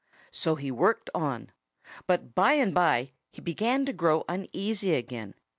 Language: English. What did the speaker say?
So he worked on. But by and by he began to grow uneasy again.